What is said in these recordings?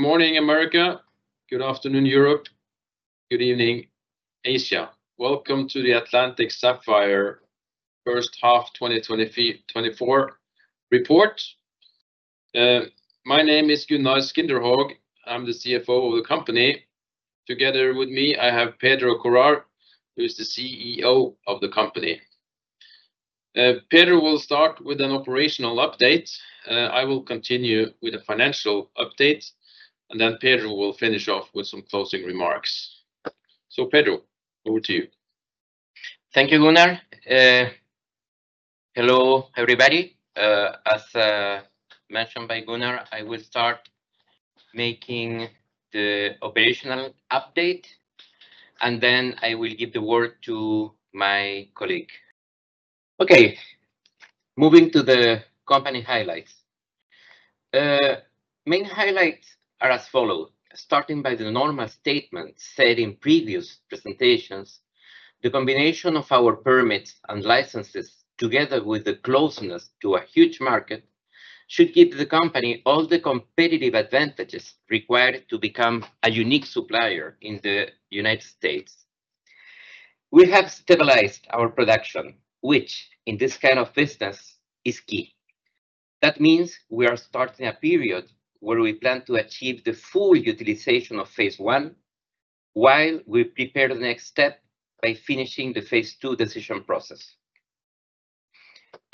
Good morning, America. Good afternoon, Europe. Good evening, Asia. Welcome to the Atlantic Sapphire first half 2024 report. My name is Gunnar Skinderhaug. I'm the CFO of the company. Together with me, I have Pedro Courard, who is the CEO of the company. Pedro will start with an operational update. I will continue with a financial update, and then Pedro will finish off with some closing remarks. So Pedro, over to you. Thank you, Gunnar. Hello, everybody. As mentioned by Gunnar, I will start making the operational update, and then I will give the word to my colleague. Okay, moving to the company highlights. Main highlights are as follows: starting by the normal statement said in previous presentations, the combination of our permits and licenses, together with the closeness to a huge market, should give the company all the competitive advantages required to become a unique supplier in the United States. We have stabilized our production, which, in this kind of business, is key. That means we are starting a period where we plan to achieve the full utilization of Phase 1, while we prepare the next step by finishing the Phase 2 decision process.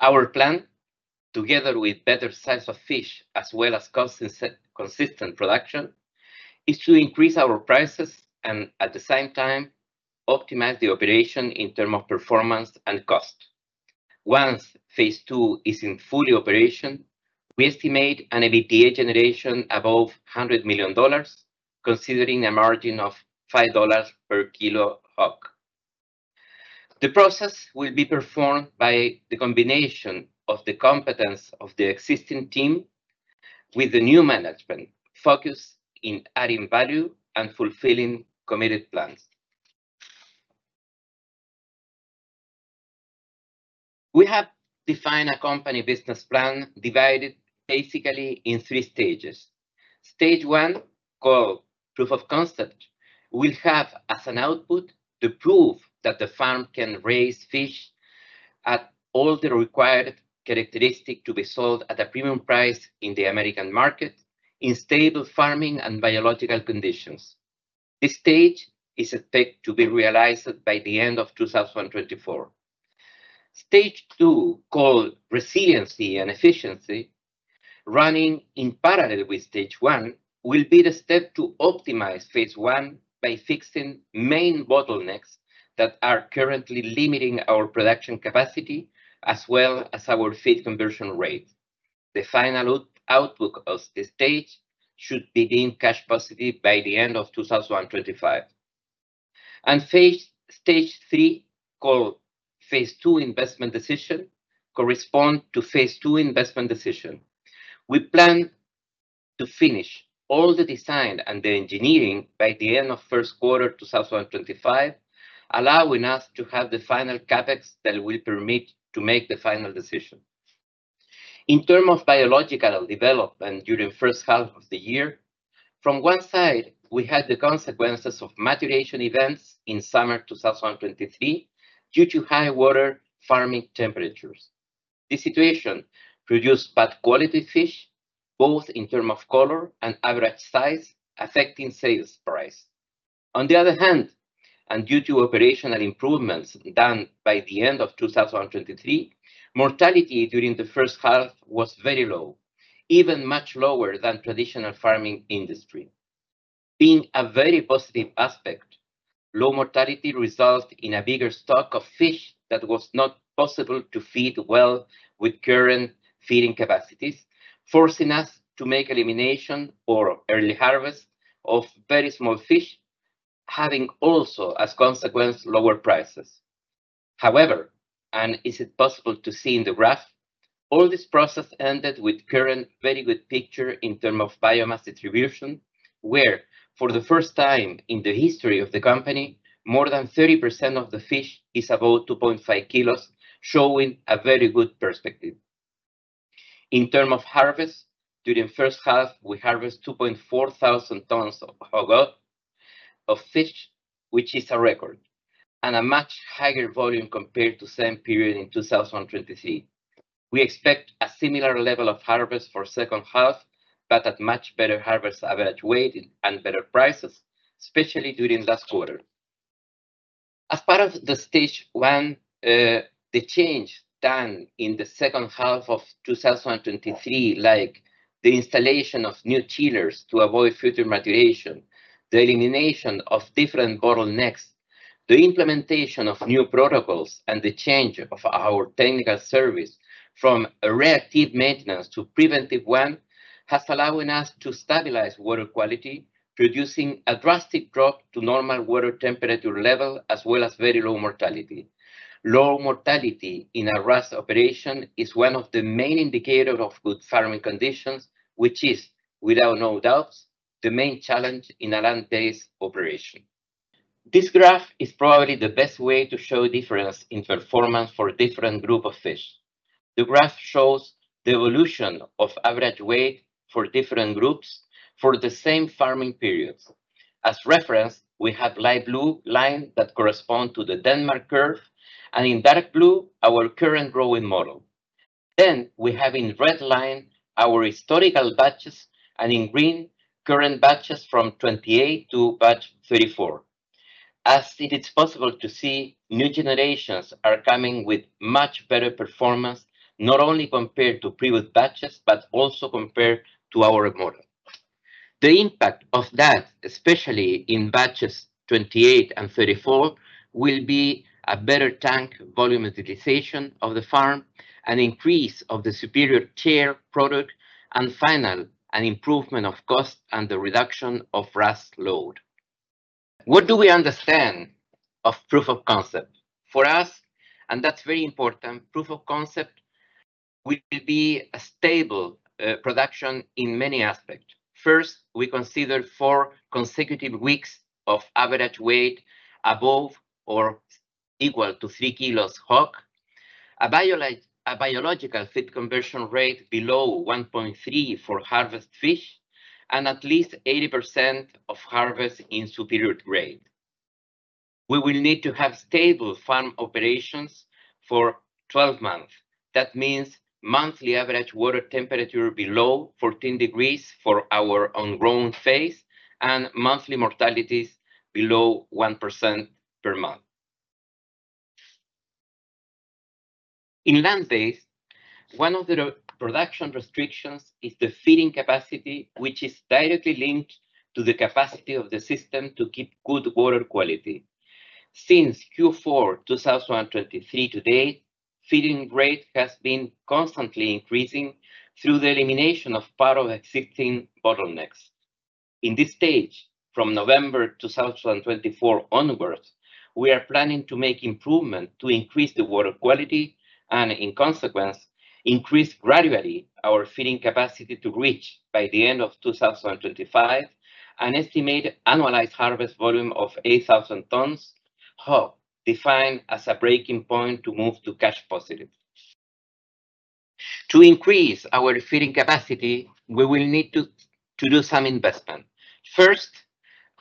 Our plan, together with better size of fish, as well as constant consistent production, is to increase our prices and, at the same time, optimize the operation in terms of performance and cost. Once Phase 2 is in full operation, we estimate an EBITDA generation above $100 million, considering a margin of $5 per kilo HOG. The process will be performed by the combination of the competence of the existing team with the new management, focused on adding value and fulfilling committed plans. We have defined a company business plan divided basically into three stages. Stage 1, called proof of concept, will have, as an output, the proof that the farm can raise fish at all the required characteristics to be sold at a premium price in the American market, in stable farming and biological conditions. This stage is expected to be realized by the end of 2024. Stage 2, called resiliency and efficiency, running in parallel with Stage 1, will be the step to optimize Phase 1 by fixing main bottlenecks that are currently limiting our production capacity, as well as our feed conversion rate. The final output of this stage should be being cash positive by the end of 2025. Phase Stage 3, called Phase 2 investment decision, correspond to Phase 2 investment decision. We plan to finish all the design and the engineering by the end of first quarter 2025, allowing us to have the final CapEx that will permit to make the final decision. In terms of biological development during the first half of the year, on one side, we had the consequences of maturation events in summer 2023, due to high water farming temperatures. This situation produced bad quality fish, both in terms of color and average size, affecting sales price. On the other hand, and due to operational improvements done by the end of 2023, mortality during the first half was very low, even much lower than traditional farming industry. Being a very positive aspect, low mortality resulted in a bigger stock of fish that was not possible to feed well with current feeding capacities, forcing us to make elimination or early harvest of very small fish, having also, as a consequence, lower prices. However, as it is possible to see in the graph, all this process ended with current very good picture in terms of biomass distribution, where, for the first time in the history of the company, more than 30% of the fish is about 2.5 kilos, showing a very good perspective. In terms of harvest, during first half, we harvest 2.4 thousand tons of HOG fish, which is a record, and a much higher volume compared to same period in 2023. We expect a similar level of harvest for second half, but at much better harvest average weight and better prices, especially during last quarter. As part of the Phase 1, the change done in the second half of 2023, like the installation of new chillers to avoid future maturation, the elimination of different bottlenecks, the implementation of new protocols, and the change of our technical service from a reactive maintenance to preventive one, has allowing us to stabilize water quality, producing a drastic drop to normal water temperature level, as well as very low mortality. Low mortality in a RAS operation is one of the main indicator of good farming conditions, which is, without no doubts, the main challenge in Atlantic's operation. This graph is probably the best way to show difference in performance for different group of fish. The graph shows the evolution of average weight for different groups for the same farming periods. As reference, we have light blue line that correspond to the Denmark curve, and in dark blue, our current growing model. Then we have in red line, our historical batches, and in green, current Batches from 28 to Batch 34. As it is possible to see, new generations are coming with much better performance, not only compared to previous batches, but also compared to our model. The impact of that, especially in Batches 28 and 34, will be a better tank volume utilization of the farm, an increase of the Superior Tier product, and final, an improvement of cost and the reduction of risk load. What do we understand of proof of concept? For us, and that's very important, proof of concept will be a stable, production in many aspects. First, we consider four consecutive weeks of average weight above or equal to three kilos HOG, a biological feed conversion rate below 1.3 for harvest fish, and at least 80% of harvest in Superior Grade. We will need to have stable farm operations for twelve months. That means monthly average water temperature below 14 degrees for our own growing phase, and monthly mortalities below 1% per month. In land-based, one of the production restrictions is the feeding capacity, which is directly linked to the capacity of the system to keep good water quality. Since Q4 2023 to date, feeding rate has been constantly increasing through the elimination of part of existing bottlenecks. In this stage, from November two thousand and twenty-four onwards, we are planning to make improvements to increase the water quality, and in consequence, increase gradually our feeding capacity to reach, by the end of two thousand and twenty-five, an estimated annualized harvest volume of 8,000 tons HOG, defined as a breaking point to move to cash positive. To increase our feeding capacity, we will need to do some investment. First,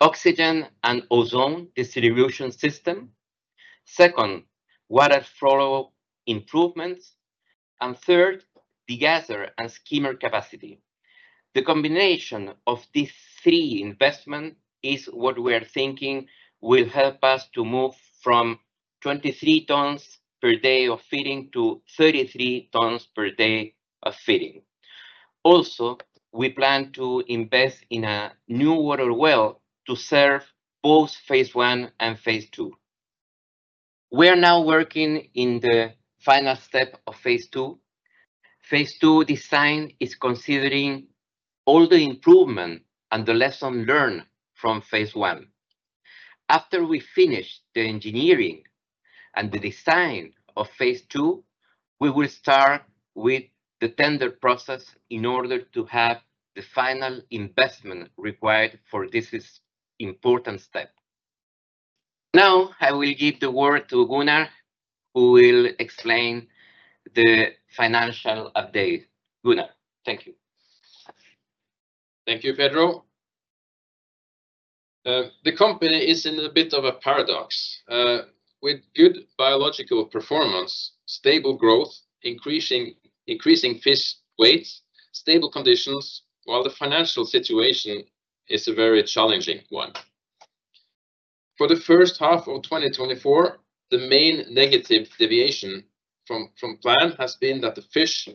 oxygen and ozone distribution system. Second, water flow improvements, and third, degasser and skimmer capacity. The combination of these three investments is what we are thinking will help us to move from 23 tons per day of feeding to 33 tons per day of feeding. Also, we plan to invest in a new water well to serve both Phase 1 and Phase 2. We are now working in the final step of Phase 2. Phase 2 design is considering all the improvement and the lesson learned from Phase 1. After we finish the engineering and the design of Phase 2, we will start with the tender process in order to have the final investment required for this. This is important step. Now, I will give the word to Gunnar, who will explain the financial update. Gunnar, thank you. Thank you, Pedro. The company is in a bit of a paradox with good biological performance, stable growth, increasing fish weight, stable conditions, while the financial situation is a very challenging one. For the first half of 2024, the main negative deviation from plan has been that the fish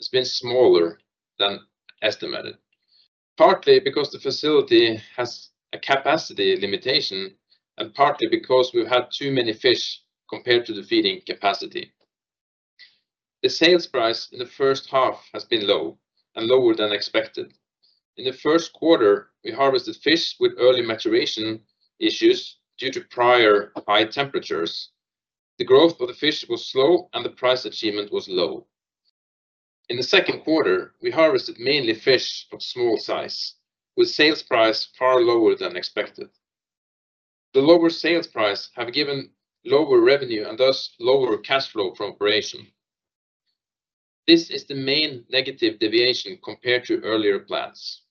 has been smaller than estimated, partly because the facility has a capacity limitation, and partly because we've had too many fish compared to the feeding capacity. The sales price in the first half has been low and lower than expected. In the first quarter, we harvested fish with early maturation issues due to prior high temperatures. The growth of the fish was slow, and the price achievement was low. In the second quarter, we harvested mainly fish of small size, with sales price far lower than expected. The lower sales price have given lower revenue and thus, lower cash flow from operation. This is the main negative deviation compared to earlier plans.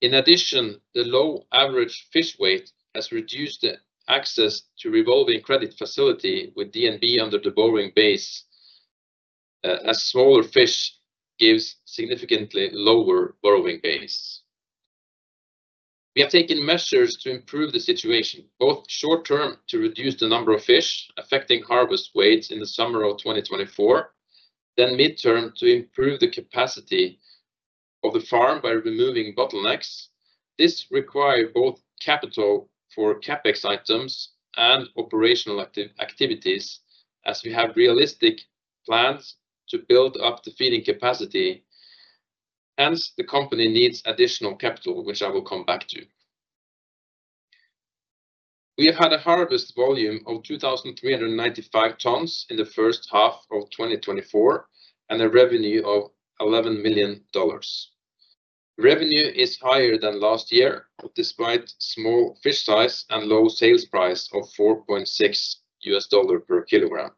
In addition, the low average fish weight has reduced the access to revolving credit facility with DNB under the borrowing base, as smaller fish gives significantly lower borrowing base. We have taken measures to improve the situation, both short term, to reduce the number of fish affecting harvest weights in the summer of twenty twenty-four, then midterm, to improve the capacity of the farm by removing bottlenecks. This require both capital for CapEx items and operational activities, as we have realistic plans to build up the feeding capacity, hence, the company needs additional capital, which I will come back to. We have had a harvest volume of 2,395 tons in the first half of 2024, and a revenue of $11 million. Revenue is higher than last year, despite small fish size and low sales price of $4.6 per kilogram.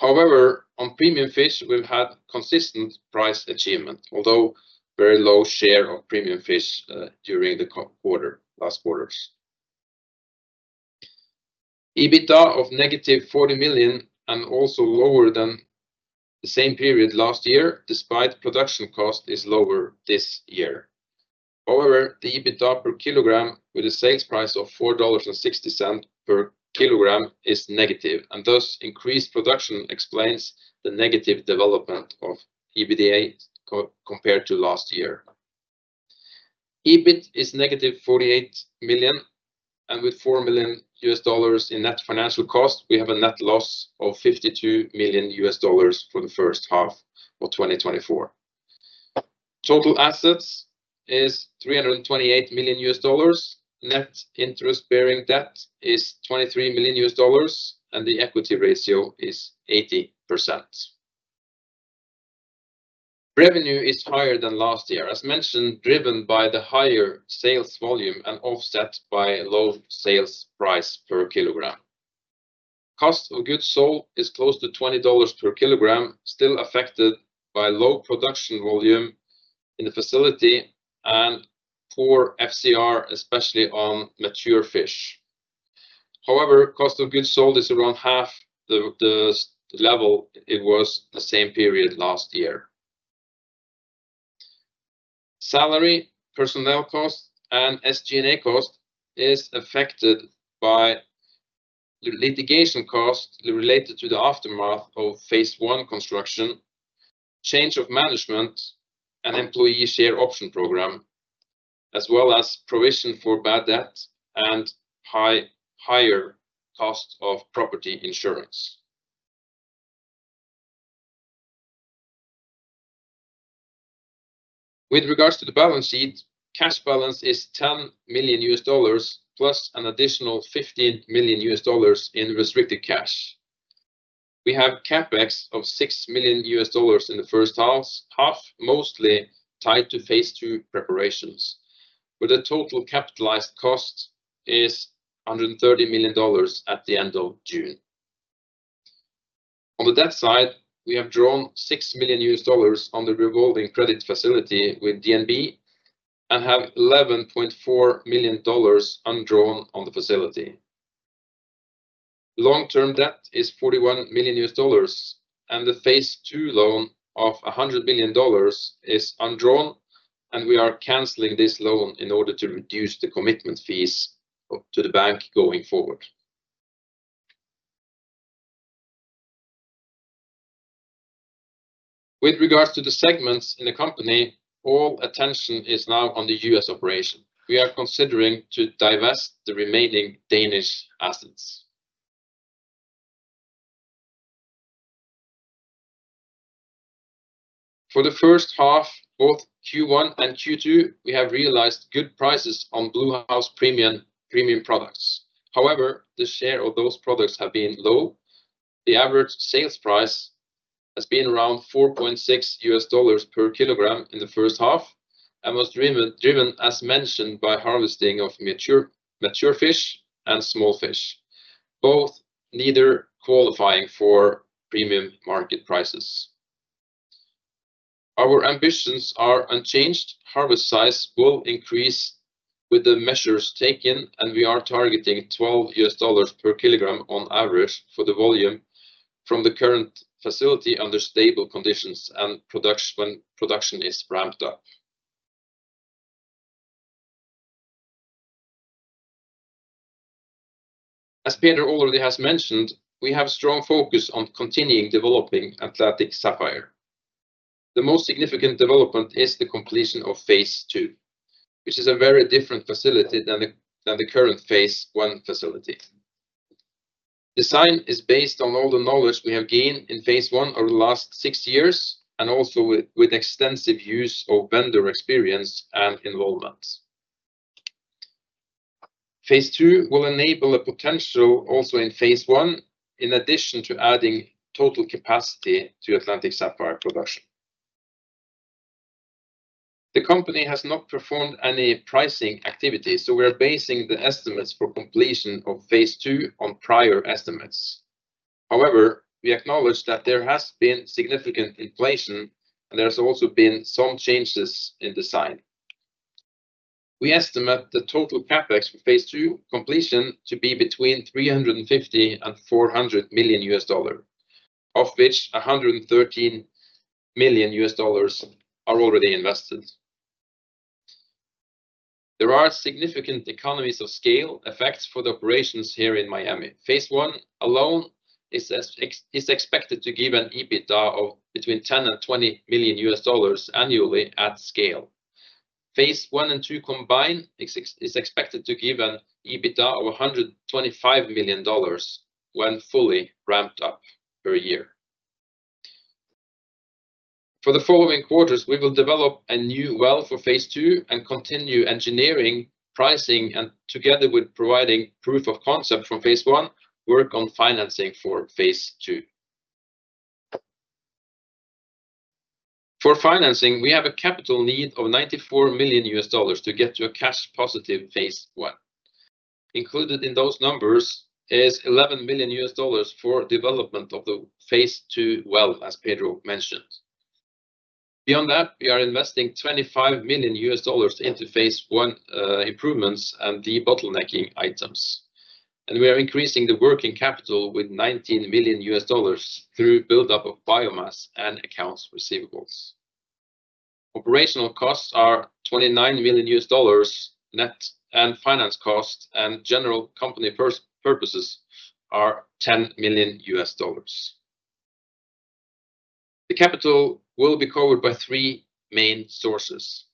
However, on premium fish, we've had consistent price achievement, although very low share of premium fish during the quarter, last quarters. EBITDA of negative $40 million and also lower than the same period last year, despite production cost is lower this year. However, the EBITDA per kilogram, with a sales price of $4.60 per kilogram is negative, and thus increased production explains the negative development of EBITDA compared to last year. EBIT is negative $48 million, and with $4 million in net financial cost, we have a net loss of $52 million for the first half of 2024. Total assets is $328 million. Net interest-bearing debt is $23 million, and the equity ratio is 80%. Revenue is higher than last year, as mentioned, driven by the higher sales volume and offset by low sales price per kilogram. Cost of goods sold is close to $20 per kilogram, still affected by low production volume in the facility and poor FCR, especially on mature fish. However, cost of goods sold is around half the level it was the same period last year. Salary, personnel cost, and SG&A cost is affected by the litigation cost related to the aftermath of Phase 1 construction, change of management and employee share option program, as well as provision for bad debt and higher cost of property insurance. With regards to the balance sheet, cash balance is $10 million, plus an additional $15 million in restricted cash. We have CapEx of $6 million in the first half, mostly tied to Phase 2 preparations, with a total capitalized cost is $130 million at the end of June. On the debt side, we have drawn $6 million on the revolving credit facility with DNB and have $11.4 million undrawn on the facility. Long-term debt is $41 million, and the Phase 2 loan of $100 million is undrawn, and we are canceling this loan in order to reduce the commitment fees owed to the bank going forward. With regards to the segments in the company, all attention is now on the U.S. operation. We are considering to divest the remaining Danish assets. For the first half, both Q1 and Q2, we have realized good prices on Bluehouse premium products. However, the share of those products have been low. The average sales price has been around $4.6 per kilogram in the first half and was driven, as mentioned, by harvesting of mature fish and small fish. Both neither qualifying for premium market prices. Our ambitions are unchanged. Harvest size will increase with the measures taken, and we are targeting $12 per kilogram on average for the volume from the current facility under stable conditions and production, when production is ramped up. As Pedro already has mentioned, we have strong focus on continuing developing Atlantic Sapphire. The most significant development is the completion of Phase 2, which is a very different facility than the current Phase 1 facility. Design is based on all the knowledge we have gained in Phase 1 over the last six years, and also with extensive use of vendor experience and involvement. Phase 2 will enable a potential also in Phase 1, in addition to adding total capacity to Atlantic Sapphire production. The company has not performed any pricing activities, so we are basing the estimates for completion of Phase 2 on prior estimates. However, we acknowledge that there has been significant inflation, and there has also been some changes in design. We estimate the total CapEx for Phase 2 completion to be between $350 and $400 million, of which $113 million are already invested. There are significant economies of scale effects for the operations here in Miami. Phase 1 alone is expected to give an EBITDA of between $10 and $20 million annually at scale. Phase 1 and 2 combined is expected to give an EBITDA of $125 million when fully ramped up per year. For the following quarters, we will develop a new well for Phase 2 and continue engineering, pricing, and together with providing proof of concept from Phase 1, work on financing for Phase 2. For financing, we have a capital need of $94 million to get to a cash positive Phase 1. Included in those numbers is $11 million for development of the Phase 2 well, as Pedro mentioned. Beyond that, we are investing $25 million into Phase 1, improvements and de-bottlenecking items, and we are increasing the working capital with $19 million through buildup of biomass and accounts receivables. Operational costs are $29 million net, and finance cost and general company purposes are $10 million. The capital will be covered by three main sources.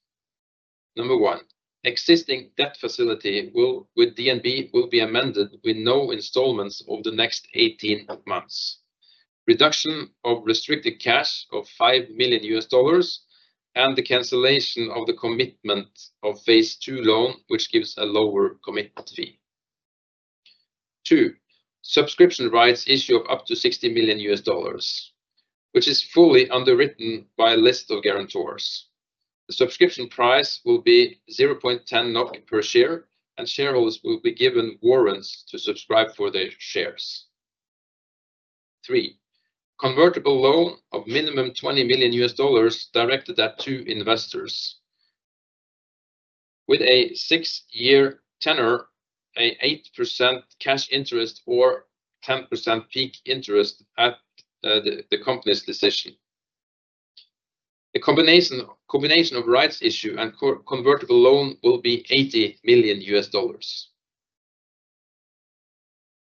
Number one, existing debt facility with DNB will be amended with no installments over the next eighteen months. Reduction of restricted cash of $5 million, and the cancellation of the commitment of Phase 2 loan, which gives a lower commitment fee. Two, Subscription Rights issue of up to $60 million, which is fully underwritten by a list of guarantors. The subscription price will be 0.10 NOK per share, and shareholders will be given warrants to subscribe for their shares. Three, convertible loan of minimum $20 million directed at two investors. With a six-year tenor, a 8% cash interest or 10% PIK interest at the company's decision. The combination of rights issue and convertible loan will be $80 million.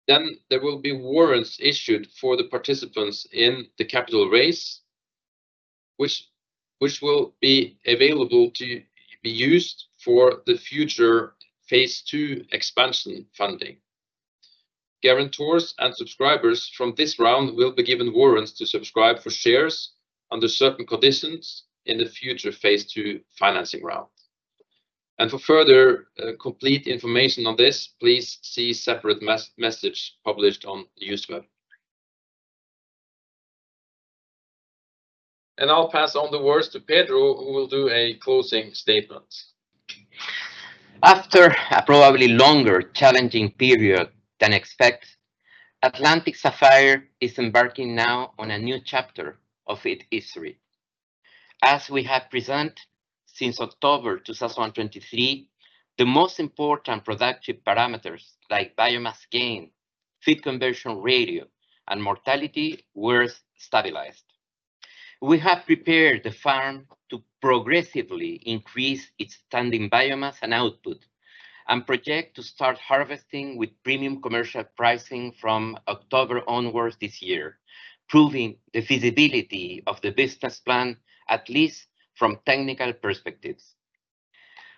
Then there will be warrants issued for the participants in the capital raise, which will be available to be used for the future Phase 2 expansion funding. Guarantors and subscribers from this round will be given warrants to subscribe for shares under certain conditions in the future Phase 2 financing round. For further complete information on this, please see separate message published on Newsweb. I'll pass on the words to Pedro, who will do a closing statement. After a probably longer challenging period than expected, Atlantic Sapphire is embarking now on a new chapter of its history. As we have presented since October two thousand and twenty-three, the most important productive parameters, like biomass gain, feed conversion ratio, and mortality, were stabilized. We have prepared the farm to progressively increase its standing biomass and output, and project to start harvesting with premium commercial pricing from October onwards this year, proving the feasibility of the business plan, at least from technical perspectives.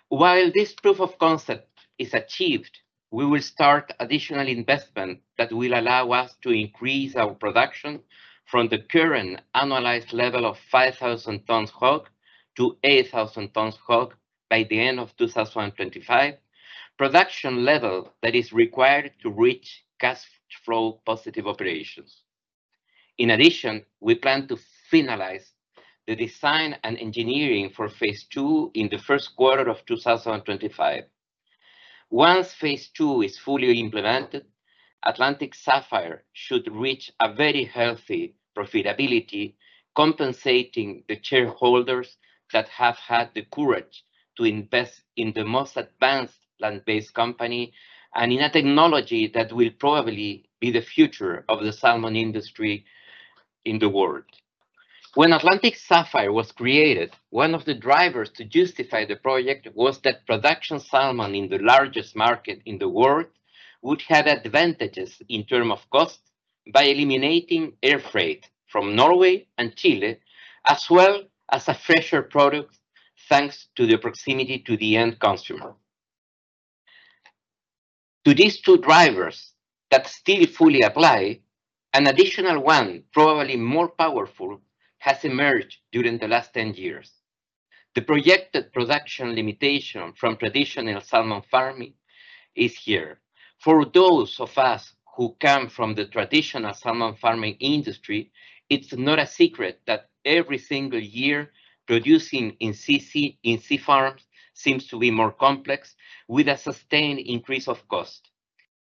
While this proof of concept is achieved, we will start additional investment that will allow us to increase our production from the current analyzed level of 5,000 tons HOG to 8,000 tons HOG by the end of two thousand and twenty-five, production level that is required to reach cash flow positive operations. In addition, we plan to finalize the design and engineering for Phase 2 in the first quarter of two thousand and twenty-five. Once Phase 2 is fully implemented, Atlantic Sapphire should reach a very healthy profitability, compensating the shareholders that have had the courage to invest in the most advanced land-based company, and in a technology that will probably be the future of the salmon industry in the world. When Atlantic Sapphire was created, one of the drivers to justify the project was that producing salmon in the largest market in the world would have advantages in terms of cost by eliminating air freight from Norway and Chile, as well as a fresher product, thanks to the proximity to the end consumer. To these two drivers that still fully apply, an additional one, probably more powerful, has emerged during the last ten years. The projected production limitation from traditional salmon farming is here. For those of us who come from the traditional salmon farming industry, it's not a secret that every single year, producing in sea farms seems to be more complex, with a sustained increase of cost.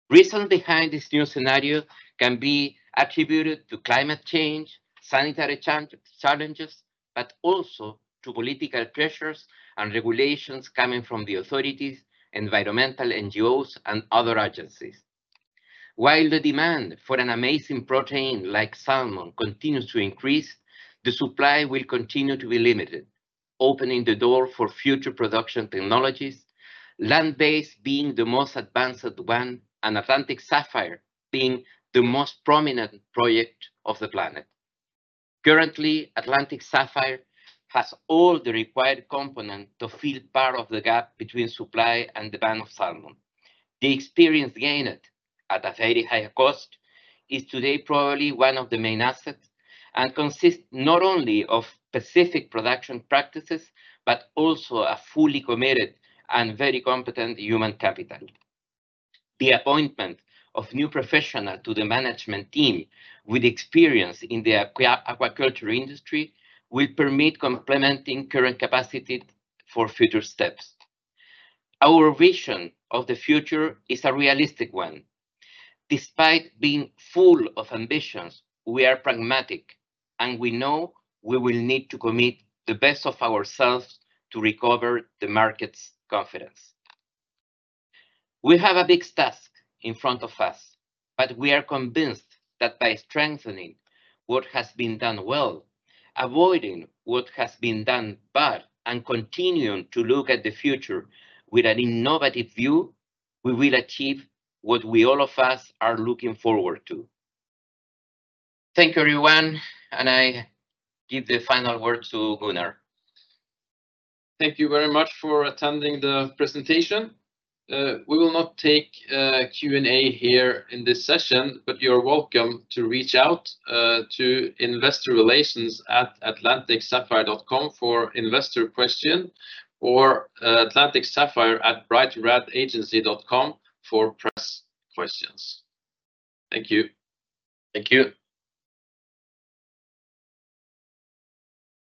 Reasons behind this new scenario can be attributed to climate change, sanitary challenges, but also to political pressures and regulations coming from the authorities, environmental NGOs, and other agencies. While the demand for an amazing protein like salmon continues to increase, the supply will continue to be limited, opening the door for future production technologies, land-based being the most advanced one, and Atlantic Sapphire being the most prominent project of the planet. Currently, Atlantic Sapphire has all the required components to fill part of the gap between supply and demand of salmon. The experience gained, at a very high cost, is today probably one of the main assets and consists not only of specific production practices, but also a fully committed and very competent human capital. The appointment of new professional to the management team with experience in the aquaculture industry will permit complementing current capacity for future steps. Our vision of the future is a realistic one. Despite being full of ambitions, we are pragmatic, and we know we will need to commit the best of ourselves to recover the market's confidence. We have a big task in front of us, but we are convinced that by strengthening what has been done well, avoiding what has been done bad, and continuing to look at the future with an innovative view, we will achieve what we all of us are looking forward to. Thank you, everyone, and I give the final word to Gunnar. Thank you very much for attending the presentation. We will not take a Q&A here in this session, but you're welcome to reach out to investorrelations@atlanticsapphire.com for investor question, or atlanticsapphire@brightredagency.com for press questions. Thank you. Thank you.